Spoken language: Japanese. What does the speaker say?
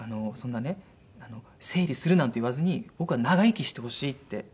「そんなね整理するなんて言わずに僕は長生きしてほしい」って。